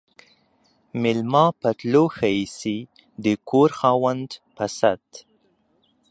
ميلمه په تلو ښه ايسي ، د کور خاوند په ست.